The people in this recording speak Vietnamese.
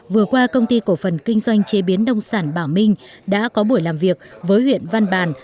vừa qua công ty cổ phần kinh doanh chế biến nông sản bảo minh đã có buổi làm việc với huyện văn bàn